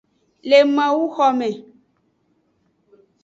Le mawu xome.